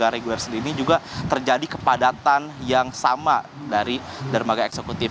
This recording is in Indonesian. reguler sendiri ini juga terjadi kepadatan yang sama dari dermaga eksekutif